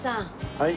はい。